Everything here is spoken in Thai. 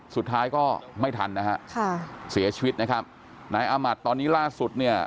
สุดท้ายก็ไม่ทันนะฮะค่ะเสียชีวิตนะครับนายอามัติตอนนี้ล่าสุดเนี่ย